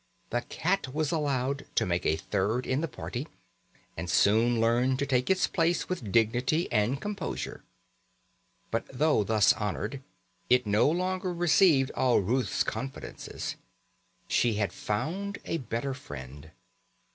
The cat was allowed to make a third in the party, and soon learned to take its place with dignity and composure. But though thus honoured, it no longer received all Ruth's confidences. She had found a better friend.